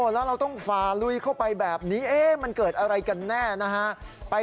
แล้วเราต้องฝ่าลุยเข้าไปแบบนี้มันเกิดอะไรกันแน่นะฮะ